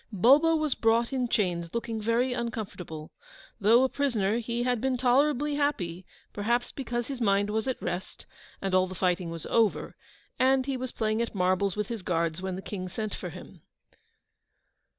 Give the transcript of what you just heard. Bulbo was brought in chains, looking very uncomfortable. Though a prisoner, he had been tolerably happy, perhaps because his mind was at rest, and all the fighting was over, and he was playing at marbles with his guards when the King sent for him.